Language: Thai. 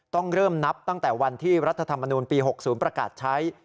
ต้องเริ่มนับตั้งแต่วันที่รัฐธรรมนูลปี๖๐ประกาศใช้